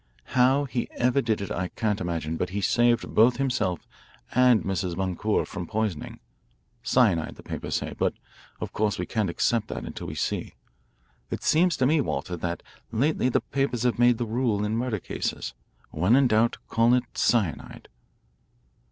How he ever did it I can't imagine, but he saved both himself and Mrs. Boncour from poisoning cyanide, the papers say, but of course we can't accept that until we see. It seems to me, Walter, that lately the papers have made the rule in murder cases: When in doubt, call it cyanide."